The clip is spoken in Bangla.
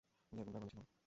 উনি এরকমটাই বলেছিলেন।